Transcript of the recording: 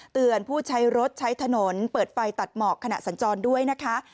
ผู้ใช้รถใช้ถนนเปิดไฟตัดหมอกขณะสัญจรด้วยนะคะ